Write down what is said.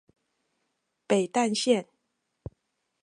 北淡線